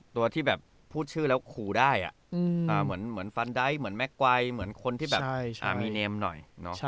ตัวที่แบบพูดชื่อแล้วขู่ได้เหมือนฟันไดท์เหมือนแม่ไกลเหมือนคนที่แบบมีเนมหน่อย